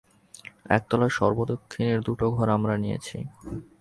একতলার সর্বদক্ষিণের দুটো ঘর আমরা নিয়েছি।